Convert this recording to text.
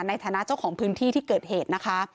ในฐานะเจ้าของพื้นที่ที่เกิดเหตุนะคะ